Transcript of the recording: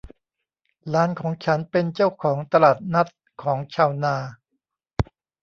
หลานของฉันเป็นเจ้าของตลาดนัดของชาวนา